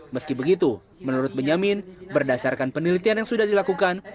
meski begitu menurut benyamin berdasarkan penelitian yang sudah dilakukan